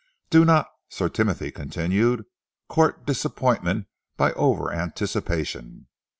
"Do not," Sir Timothy continued, "court disappointment by over anticipation.